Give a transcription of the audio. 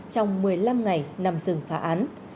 trong một mươi năm ngày nằm dừng phá án